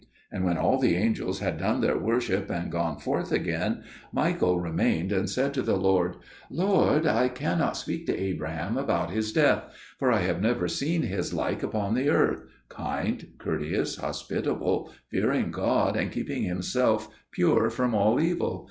And when all the angels had done their worship and gone forth again, Michael remained and said to the Lord, "Lord, I cannot speak to Abraham about his death; for I have never seen his like upon the earth, kind, courteous, hospitable, fearing God, and keeping himself pure from all evil.